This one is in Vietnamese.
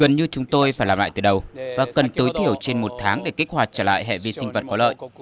gần như chúng tôi phải làm lại từ đầu và cần tối thiểu trên một tháng để kích hoạt trở lại hệ vi sinh vật có lợi